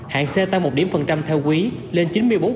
hạng c tăng một điểm phần trăm theo quý lên chín mươi bốn